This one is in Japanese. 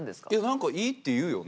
何かいいっていうよね？